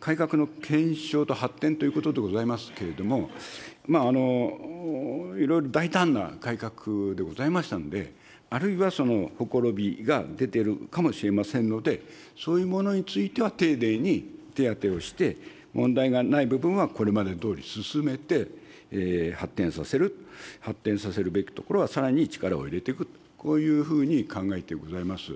改革の検証と発展ということでございますけれども、いろいろ大胆な改革でございましたので、あるいはそのほころびが出てるかもしれませんので、そういうものについては丁寧に手当てをして、問題がない部分は、これまでどおり進めて発展させる、発展させるべきところはさらに力を入れていくと、こういうふうに考えてございます。